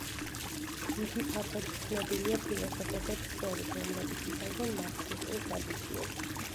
იგი ფართოდ ცნობილია ფილოსოფოსებს შორის, რომლებიც იცავდნენ მარქსისტულ ტრადიციებს.